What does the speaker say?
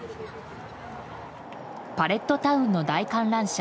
パレットタウンの大観覧車